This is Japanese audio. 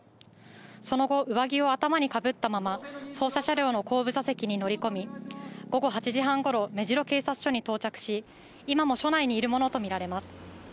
その後、上着を頭にかぶったまま捜査車両の後部座席に乗り込み午後８時半ごろ、目白警察署に到着し今も署内にいるものとみられます。